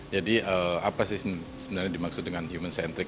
jadi apa sih sebenarnya dimaksud dengan human centric